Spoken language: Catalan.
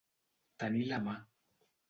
Tenir la mà.